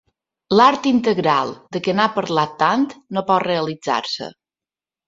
L'art integral, de què n'ha parlat tant, no pot realitzar-se.